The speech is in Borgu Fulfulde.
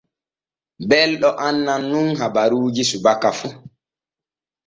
Belɗo anŋan nun habaruuji subaka fu.